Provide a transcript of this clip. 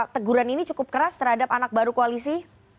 teguran ini cukup keras terhadap anak baru koalisi